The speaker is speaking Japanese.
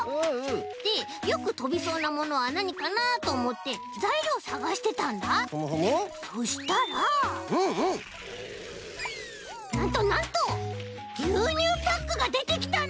でよくとびそうなものはなにかなとおもってざいりょうをさがしてたんだふむふむそしたらうんうんなんとなんとぎゅうにゅうパックがでてきたんだ！